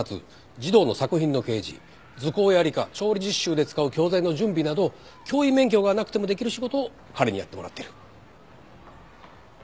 児童の作品の掲示図工や理科調理実習で使う教材の準備など教員免許がなくてもできる仕事を彼にやってもらっている。